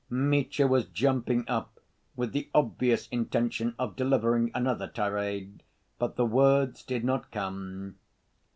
Mitya was jumping up with the obvious intention of delivering another tirade, but the words did not come.